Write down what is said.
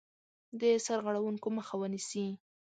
د سرغړونکو مخه ونیسي.